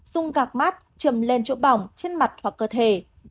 dùng gạc mát trùm lên chỗ bỏng trên mặt hoặc cơ thể